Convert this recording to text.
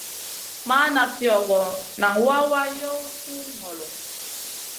Mana fiogo, nan wawa yow gu ŋolo.